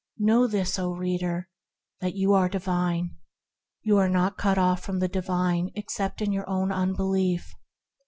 Know this, O reader! that you are divine. You are not cut off from the Divine except in your own unbelief.